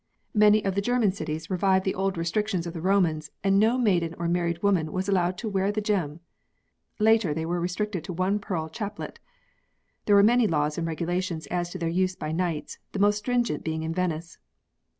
Many of the German cities revived the old restrictions of the 8 PEARLS [CH. Romans and no maiden or married woman was allowed to wear the gem ; later they were restricted to one pearl chaplet. There were many laws and regulations as to their use by knights, the most stringent being in Venice.